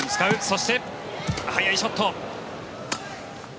そして、速いショット。